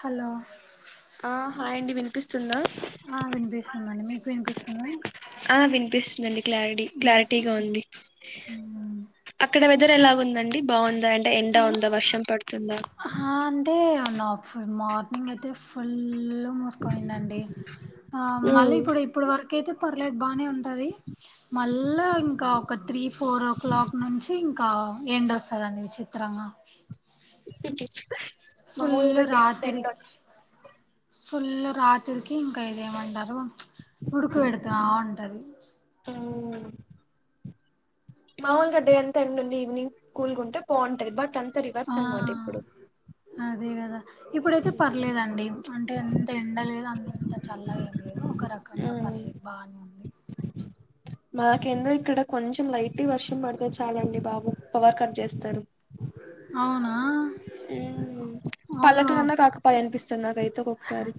Hello ఆ hi అండి వినిపిస్తుందా ఆ వినిపిస్తుందండి మీకు వినిపిస్తుందా ఆ వినిపిస్తుందండి క్లారిటీ క్లారిటీగా ఉంది అక్కడ ద్దరు ఎలాగుందండి బాగుందా అంటే ఎండా ఉందా వర్షం పడుతు ఆ అంటే అ నా ఫుల్ మార్నింగ్ అయితే ఫుల్ మూసుకపోయిందండి అ మళ్ళ ఇప్పుడు ఇప్పుడు వరక్ కైతే పర్లేదు బానే ఉంటది మళ్ళా ఇంకా ఒక త్రీ ఫోర్ ఓ క్లాక్ నుంచి ఇంకా ఎండొస్తందండి విచిత్రంగా ఫుల్ మామూలుగా డే అంత రాత్రి ఎండొచ్చు ఫుల్ రాత్రికి ఇంకా ఇదేమంటారు ఉడుకపెడుత ఉంటది మ్ మామూలుగా డే ఎంత ఎండ ఉంది ఈవినింగ్ కుల్ గ ఉంటే బాగుంటది బట్ అం రివర్స్ అనమాట ఆ ఇప్పుడు అదే కదా ఇప్పుడైతే పర్లేదండి అంటే అంత ఎండలేదు అం అంత చల్లగ ఏం లేదు ఒక రకంగా పర్లేదు బానే ఉంది మకేందో ఇక్కడ కొంచెం లైట్ గ వర్షం పడితే చాలండి బాబు పవర్ కట్ చేస్తారు అవునా మ్ అవును పల్లెటూరన్నా కాకపయే అనిపిస్తది నాకైతే ఒకోక్కసారి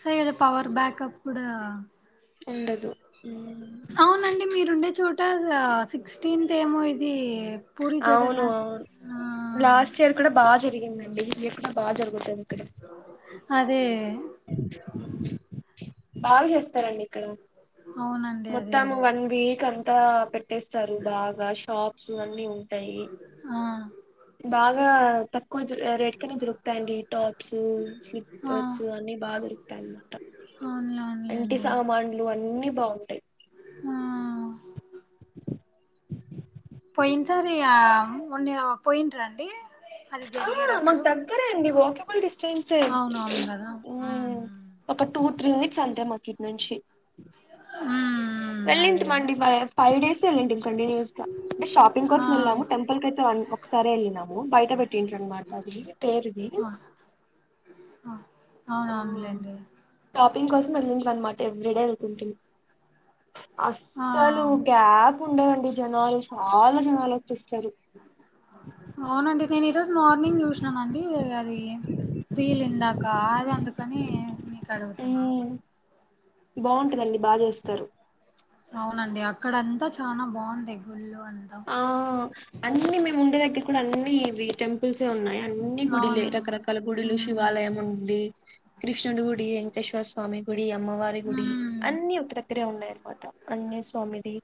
సరే కదా పవర్ బ్యాకప్ కూడా ఉండదు మ్ ఉంటద సిక్స్టీన్త్ ఏమో ఇది పూరి అవును జగన్నాథ్ అవును ఆ లాస్ట్ ఇయర్ కూడా బాగ జరిగిందండి ఇయర్ కూడా బాగా జరుగు అదే బాగా చేస్తారండి ఇక్కడ అవునండి అదే మొత్తం అదే వన్ వీక్ అంతా పెట్టేస్తారు బాగా షాప్స్ అన్ని ఉంటా ఆ బాగా తక్కువ రేటుకనే దొరుకుతాయండి టాప్స్ ఆ స్లిప్పర్స్ అన్ని బాగా దొరుకుతాయి అన్నమాట [inaudible] ఇంటి అవునులేండి సామాన్లు అన్ని బాగుంటాయి ఆ [inaudible] పోయినసారి ఆ మొన్న పోఇండ్ర అండి అది ఆ మాకు జరిగేటప్పుడు దగ్గరే అండి వాకబుల్ డిస్టెన్స్యే అవునవును కదా మ్ హ్మ్ మ్ ఒక టూ త్రీ మినిట్స్ అంతే మాకు ఇట్నుంచి హ్మ్ హ్మ్. వెళ్ళింటి అదే మండి ఫైవ్ డేస్ వెళ్ళింటిమి కంటిన్యూస్గా అంటే షాపింగ్ ఆ కోసం వెళ్ళాము టెంపుల్ కైయితే ఒకసారే వెళ్ళినాము బయట పెట్టిట్ని అన్నమాట అది పేరువి ఆ! ఆ! అవునవునులేండి షాపింగ్ కోసం వెళ్ళిందన్మాట ఎవ్రీడే ఎళ్తుంటిమి ఆ అస్సలు గ్యాప్ ఉండదండి జనాలు చాలా జనాలు వచ్చేస్తరు ఈ రోజు మార్నింగ్ చూసినానండి అది రీల్ ఇందక అది అ అందుకని మీకు అడుగుతున్నా బావుంటదండి బా చేస్తారు అవునండి అక్కడంతా చానా బావుంటాయి గుళ్ళు అంతా ఆ అన్ని మేము ఉండే దగ్గర కూడా అన్ని ఇవి టెం ల్సే ఉన్నాయి అన్ని గుడిలే అవును రకరకాల గుడులు శివాలయం హ్మ్ ఉంది కృష్ణుడి గుడి కోటేశ్వర స్వామి గుడి అమ్మవారి గుడి హ్మ్ అన్ని ఒక దగ్గరే ఉన్నాయన్నమాట అన్ని స్వామిది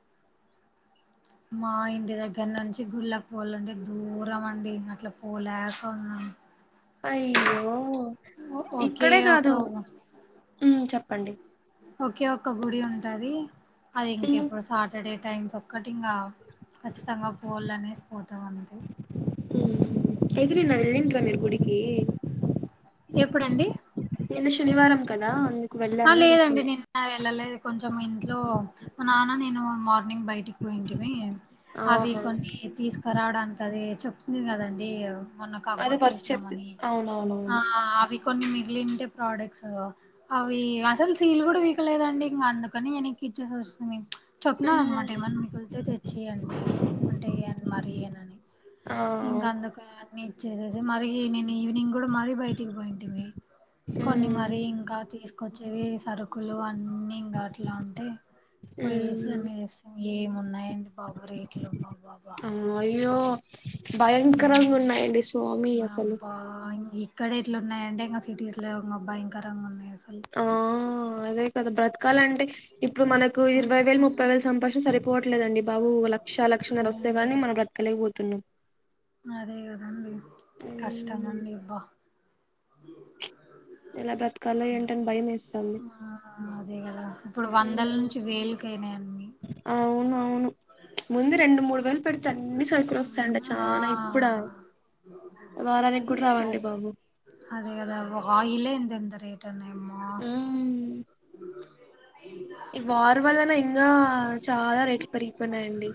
మా ఇంటి దగ్గర నుంచి గుళ్ళకి పోలంటే దూరం అండి అట్లా పోలేకఉన్నాం అయ్యో ఒ ఒకే ఇక్కడే కాదు ఒక మ్ చెప్పు అండి ఒకే ఒక్క గుడి ఉంటది అది ఉమ్, ఇంకెప్పుడు సాటర్డే టైం కి ఒక్కటి ఇంగా ఖచ్చితంగా పోళ్ అనేసి పోతాం అంతే ఉమ్ ఎదిరిన ఎల్లిండ్ర మీరు గుడికి ఎప్పుడండి నిన్న శనివారం కదా అందు ఆ లేదండి నిన్న వెళ్ళలేదు కొంచెం ఇంట్లో మా నాన్న నేను మ ని బయటికి పోయింటిమి అవి ఆహా కొన్ని తీస్కరాడానికది చెప్తిమి కదండి మొన్న అదే కబోర్డ్స్ వర్క్ చెప్పి చేసినామని ఆ అవునవునవును అవి కొన్ని మిగిలింటే ప్రోడక్ట్స్ అవి అసల్ సీల్ కూడా వీకలేదండి ఇంగ అందుకని వెనక్కి ఇచ్చేసి వచ్చినం ఇ చెప్పిన ఉమ్, అన్నమాట ఏమన్నా మిగుల్తే తెచ్చియండి అంటే ఏ అన్ మరీ ఇయ్యనని ఆ ఇంకా అందుకే అన్ని ఇచ్చేసేసి మరి నిన్ను ఈవినింగ్ కూడా మరీ బయటికి పోయింటివి కొన్ని ఉమ్ మరి ఇంకా తీసుకొచ్చేవి సరుకులు అన్ని ఇంగా అట్లా అంటే పోయేసి ఉమ్ అన్ని ఏమున్నాయండి బాబు రేట్లు అబ్బాబ్బ ఆ అయ్యో భయంకరంగా ఉన్నాయండి స్వామి అసలు అబ్బా ఇక్కడ ఇట్లు ఉన్నాయి అంటే ఇంకా సిటీస్ లో ఇంగ భయంకరంగా ఉన్నాయా ఆ అదే కదా బ్రతకాలంటే ఇప్పుడు మనకు ఇరవై వేలు ముప్పై వేలు సంపాదించిన సరిపోవట్లేదండి బాబు లక్ష లక్షన్నర వస్తే కానీ మనం బ్రతకలేకపోతున్నాం అదే కదండి ఉమ్, కష్టమండి ఇబ్బా ఎలా బ్రతకాలో ఏంటని భయం వేస్తోంది. అదే కదా ఇప్పుడు వందల నుంచి వేలుకయినీ అన్నీ అవును అవును ముందు రెండు మూడు వేలు పెడితే అన్ని సరుకులు వస్తాండే ఆ చానా ఇప్పుడా వారానికి కూడా రావండి బాబు అదే కద ఆ ఇల్లే ఎంత ఎంత రేట్ అని అమ్మా మ్మ్ ఈ వారు వల్లనే ఇంగ చాలా రేట్లు పెరిగిపోయినాయండి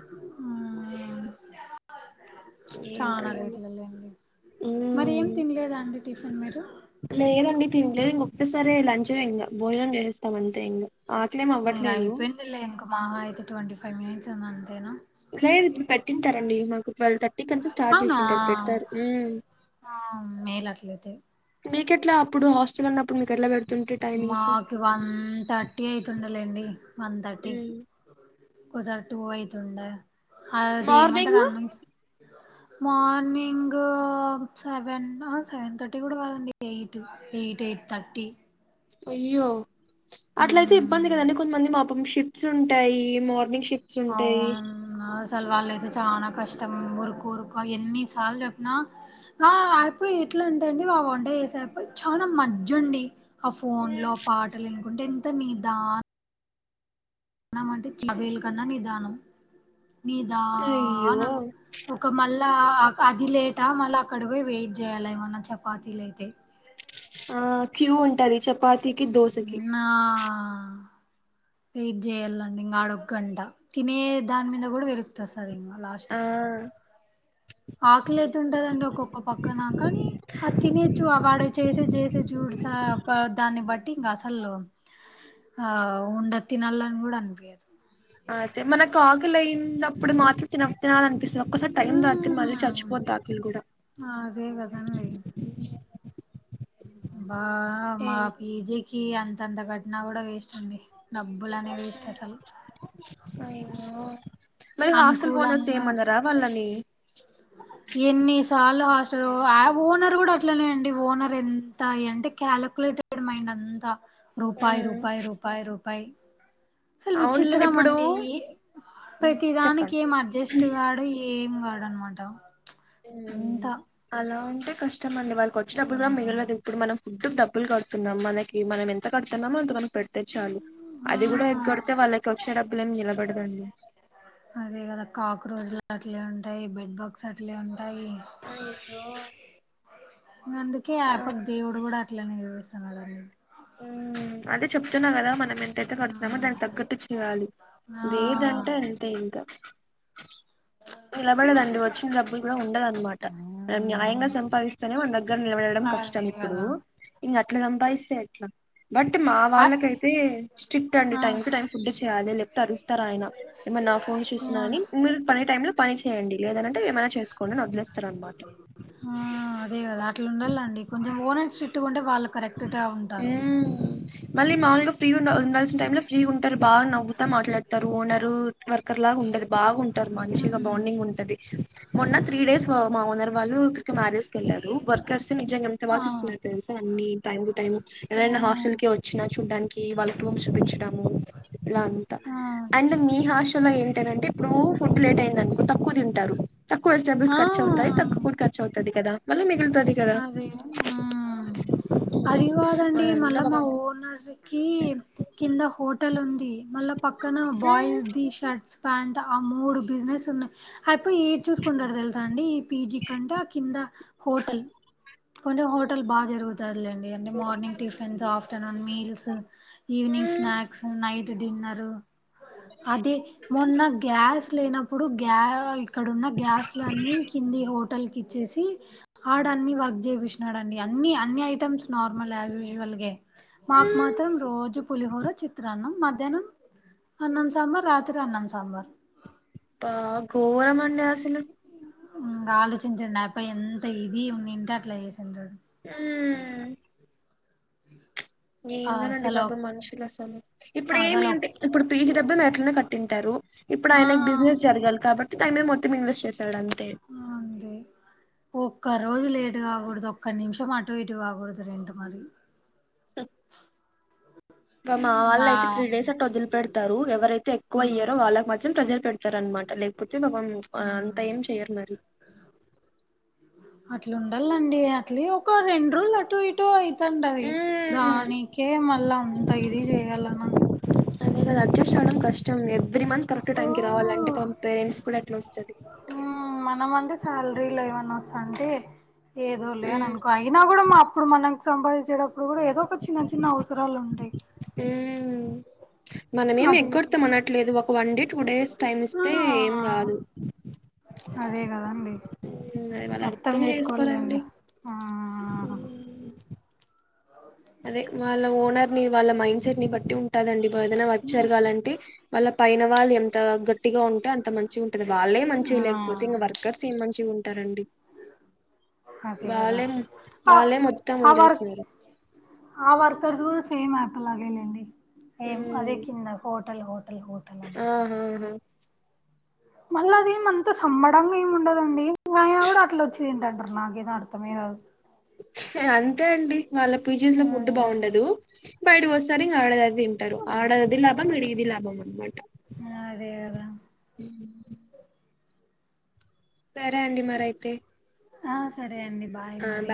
ఏంటో చనా ఏమో రేట్లే లేండి మరి మ్మ్ ఏం తినలేద అండి టిఫిన్ మీరు సరే లంచే ఇంగ భోజనం చేస్తామన్ ఇంగ అయిపోయిందిలే ఇంకా మహా అయితే ట్వంటీ ఫైవ్ మినిట్స్ ఉంది అంతేనా లేదు ఇప్పుడు పెట్టింటారండి మాకు ట్వెల్వ్ థర్టీ కనీసం స్టార్ట్ అవునా చేసిం ఉంటారు పెడతారు ఆ మేలు అట్లైతే కెట్లా అప్పుడు హస్టల్ అన్నప్పుడు మీకెట్లా పెడు మాకి వన్ థర్టీ అయితుండలేండి వన్ థర్టీకి మ్మ్ ఒకసారి టూ అయితుండే అది మార్నింగ్ ఏమంటరన్ని మార్నింగ్ సెవెన్ ఆసెవెన్ థర్టీ కూడా కాదండి ఎయిట్ ఎయిటె ఎయిట్ థర్టీ అయ్యో అట్ల అయితే ఇబ్బంది మ్మ్ కదండి కొంతమంది మాపం షిఫట్స్ ఉంటాయి మార్నింగ్ షి ప్స్ ఉంటాయి అవును అసలు వాళ్ళయితే చాలా కష్టం ఉరుకు ఉరుకు ఎన్ని సార్లు చెప్పిన ఆ అయిపోయి ఎట్లాంటే అండి ఆ వంట చేసాపా చానా మజ్జండి ఆ ఫోన్ ఉమ్. లో పాటలు వినుకుంటే ఎంత నీదా నం అంటే చబేల్ కన్నా నిదానం అయ్యో నిదానం ఒక మల్ లా అది లేటా మళ్ళా అక్కడ పోయి వెయిట్ చేయ్యాల ఏమన్నా చపాతీలు అయితే ఆ క్యూ ఉంటది చపాతికి, దోశకి నా వెయిట్ చేయాలండి ఆడొ గంట తినే దాని మీద కూడా విరకస్తాది ఇంకా ఆ లాస్ట్కి ఆకలైతుంటాది ఒక పక్కన కానీ అది తినేచ్చు ఆ వాడు చేసే చేస్ జూడ్స ప దాన్ని బ ఇంకా అసలు ఆ ఉండ తినాలని కూడా అనిపించదు అదే మనకి ఆకలి అయినప్పుడు మాత్రం తిన తినాలనిపిస్ ఒక్కసారి టైం దాటితే మళ్ళీ చచ్చిపోతా ఆకలి కూడా అదే కదండి బా మా ఏంటో పీజీకి అంతంత క న కూడా వేస్ట్ అండి డబ్బులని వేస్ట్ అసలు అయ్యో మరి హాస్టల్ ఓనర్స్ అనుకూలంగా ఏమనరా వాళ్ళని ఎన్ని సార్లు హాస్ట ఓనర్ కూడా అట్లనేండి ఓనర్ ఎంత అంటే కాలిక్యులేట్ నేను అంతా రూపాయి రూపాయి రూపాయి రూపాయి సల్ అవునులేండి విచిత్రం ఇప్పుడు అండి ప్రతి దానికి చెప్పండి ఏం అడ్జస్ట్ కాడు ఏం కాడు అనమాట ఊ అంతా అలా ఉంటే కష్టం అండి వాళ్ళకి వచ్చేటప్పుడు కూడా మిగలదు ఇప్పుడు మనం ఫుడ్ డబ్బులు కడుతున్నాం మనకి మనం ఎంత కడుతున్నామో అంత మన పెడితే చాలు ఆ అది కూడా ఎగ్గొడితే వాళ్ళకి వచ్చే డబ్బులు ఏమి నిలబడదండి అదే కదా కాక్రోచ్లు అట్లే ఉంటాయి బెడ్ బగ్స్ అట్లే ఉన్ అయ్యో అందుకే ఆయపకు ఆ దేవుడు కూడా అట్లనే చూస్తున్నాడండి ఉ అదే చెప్తున్నా కదా మన ఎంతయితే కడుతున్నామో దాన్ని తగ్గట్టు చేయాలి ఆ లేదంటే అంతే ఇంకా [inaudible] నిలబడదండి వచ్చిన డబ్బులు కూడా ఉండదన్నమాట మనం న్యాయంగా సంపాదిస్తేనే మన దగ్గర నిలబడడం కష్టం అదే ఇప్పుడు కదా ఇంకా అట్లా సంపాదిస్తే ఎట్లా బట్ మా ఆ వాళ్ళకైతే స్ట్రిక్ట్ అండి ఆ టైమ్ టు టైమ్ ఫుడ్ చేయాలి లేకపోతే అరుస్తారు ఆయన ఏమన్నా నా ఫోన్ చూస్తున్నా కా మీరు పని టైంలో పని చేయండి లేదంటే ఏమైనా చే చేసుకోండి అని వదిలేస్తారు అన్నమాట ఇట్లుండల్ల అండి కొంచెం ఓనర్ స్ట్రిక్ట్గా ఉంటే వాళ్ళు కరెక్ట్ గా ఉంటారు మామలుగా ఫ్రీ ఉన్ ఉండాల్సిన టైమ్ లో ఫ్రీ ఉంటారు బాగా నవ్వు మాట్లాడతారు ఓనరు వర్కర్ లాగా ఉండదు బాగుంటారు మంచిగా బాండింగ్ ఉంటది మొన్న త్రీ డేస్ మా ఓనర్ వాళ్ళు ఎక్కడికో మ్యారేజ్ కెళ్లారు వర్కర్స్ నిజంగా ఎంత ఆ బాగా చేసుకున్నారో తెలుసా అన్ని టైమ్ టు టైమ్ ఆ ఎవరైనా హాస్టల్ కి వచ్చినా చూడ్డానికి వాళ్ళ రూమ్స్ చూపించడం అలా అంతా ఆ అండ్ మీ హాస్టల్లో ఏంటని అంటే ఇప్పుడు ఫుడ్ లేట్ అయిందనుకో తక్కువ తింటారు తక్కువ వెజిటబుల్స్ ఆ కర్చ్ చ్ అవుతాయి తక్కువ ఫుడ్ ఖర్చవుతది కదా మళ్ళ మీ అదే ఆ అది మా కాదండి దాంట్లో మళ్ళా మా పాపం ఓనర్కి కింద హోట ట్టల్ ఉంది మళ్ళా పక్కన బాయ్స్ హ్మ్ ది షర్ట్స్ ప్యాంట్ ఆ మూడు బిజినెస్ ఉన్నాయి ఆయప్ప ఏది చూసుకుంటడో తెలుసా అండి ఈ పీజీ కంటే ఆ కింద హోటల్ కొంచెం హోటల్ బాగా జరుగుతాదిలేండి అంటే morning tiffins afternoon meals evening um snacks night dinner అదే మొన్న గ్యాస్ లేనప్పుడు గ్యా ఇక్కడ ఉన్న గ్యాస్లన్ని కింది హోటల్ కి ఇచ్చేసి ఆ అన్ని వర్క్ చెప్పిచినాడండి అన్ని ఐటెమ్స్ నార్మలే యశ్వుస్వల్ గానే మాకు ఉమ్ మాత్రం రోజు పులిహోర చిత్రాన్నం మా మధ్యనం అన్నం సాంబార్ రాత్రి అన్నం సాంబార్ బా ఘోరమండి అసలు ఇంకా ఆలోచించండి ఆయప్ప ఎంత ఇది ఉండుంటే అట్లా చే [inaudible] ఉమ్ ఏందోనండి అసలు బాబు మనుషులు అసలు ఇప్పుడు ఏమి అసలు అంటె ఇప్పుడు పీజీ డబ్బు ఎట్లనో కట్టింటారు ఇప్పుడు ఆ ఆయనకి బిజినెస్ జరగాలి కాబ దానిమీద మొత్తం ఇన్వెస్ట్ చేసాడు అంతే అంతే ఒక్క రోజు లేటు కాకూడదు ఒక్క నిమిషం అటు ఇటు కాకూడదు రెంటు మరి [inaudible] ఇంగ మా వాళ్ళు అయితే త్రీడేస్ అట్టా వదిలిపెడతారు ఎవరైతే ఆ ఎక్కువ ఇయ్యారో వాళ్ళకి వాళ్ళకి మాత్రం ప్రెషర్ పెడ తరు అనమాట లేకపోతే పాపం ఆ అంతా ఏం చెయ్యరు మరి అట్ల ఉండల్లండి అట్లీ ఒక రెండు రోజులు ఆటో ఇటో అయి తంటది ఉమ్ దానికే మళ్ళా అంత ఇది చేయాలన్నా అదే కదా అడ్జస్ట్ అవ్వడం కష్టం ఎవ్రీ మంత్ కరెక్ట్ ఓ టైంకి రావాలింటే పాప పేరెంట్స్ కూడా ఏట్ల ఒస్తాది మనం అంటే శాలరీలు ఏవన్నా వస్తంటే ఏదో లే అని ఉమ్ అనుకో అయినా కూడా మ అప్పుడు మనం సంపాదించేటప్పుడు కూడా ఏదో ఒక చిన్న చిన్న అవసరాలు ఉంటయి ఊ మనం ఏం అది ఎగ్గొడతాం అనట్లేదు ఒక one day two days time ఆ ఇస్తే ఏం కాదు [inaudible] అదే కదండి హ్మ్ అది వాళ్ళు అర్థం చేసుకోవాలిగా చేసుకోవాలండి. అండి ఆ హ్మ్ అదే వాళ్ళ ఓనర్ ని వాళ్ళ మైండ్ సెట్ ని బట్టి ఉంటదండి ఏదనా వర్క్ జరగాలంటే వాళ్ళ పైన వాళ్ళు ఎంత గట్టిగా ఉం అంత మంచిగా ఉంటది వాళ్ళే మంచిగా ఆ లేకపోతే ఇంకా వర్కర్స్ ఏం మంచిగా ఉంటారండి అదె కదా అ వాళ్ళే మొత్తం అ వర్ వదిలేస్తున్నారు. ఆహ్ వర్కర్స్ కూడా సేమ్ ప్లాగేలేండి. సేమ్ అదే హ్మ్ కింద హోటల్ హోటల్ హోటల్ అనుకుంటా. ఆహాహా! మళ్ళ అది అంత సంమ్మడంగా ఏమి ఉండదండియా కూడా అట్లా వచ్చింది. అంటున్నారు నాకేం అర్థమే కాదు. అంతే అండి వాళ్ళ పీజీ లో ఫుడ్ బాగుండదు బయటకి వస్తారు ఇంకా ఆడదే తింటారు ఆడ. అది లాభం ఈడ ఇది లాభం. ఆ అదే కదా సరే అండి మరయితే. ఆహ్ సరే అండి బాయ్ మరి.